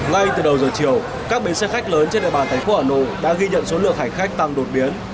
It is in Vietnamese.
ngay từ đầu giờ chiều các bến xe khách lớn trên địa bàn thành phố hà nội đã ghi nhận số lượng hành khách tăng đột biến